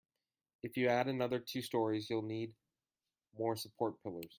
If you add another two storeys, you'll need more support pillars.